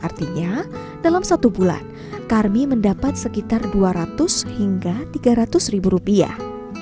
artinya dalam satu bulan karmi mendapat sekitar dua ratus hingga tiga ratus ribu rupiah